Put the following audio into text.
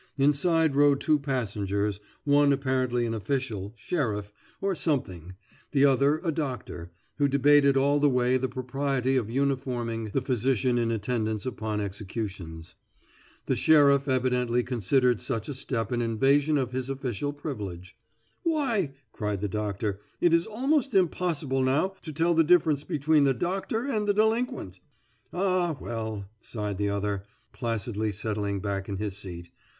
Inside rode two passengers, one apparently an official, sheriff, or something, the other a doctor, who debated all the way the propriety of uniforming the physician in attendance upon executions. The sheriff evidently considered such a step an invasion of his official privilege. "Why," cried the doctor, "it is almost impossible now to tell the difference between the doctor and the delinquent." "Ah, well," sighed the other, placidly settling back in his seat.